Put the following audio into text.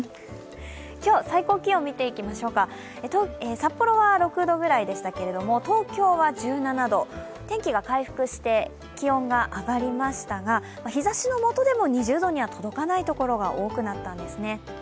今日、最高気温見ていきましょうか札幌は６度ぐらいでしたけれども、東京は１７度、天気が回復して、気温が上がりましたが、日ざしのもとでも２０度には届かない所が多くなったんですね。